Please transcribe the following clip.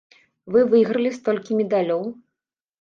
Вы выйгралі столькі медалёў!